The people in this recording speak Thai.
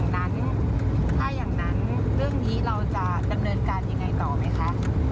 นั้นถ้าอย่างนั้นเรื่องนี้เราจะดำเนินการยังไงต่อไหมคะ